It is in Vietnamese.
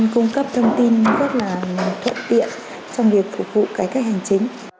cung cấp thông tin rất là thuận tiện trong việc phục vụ cải cách hành chính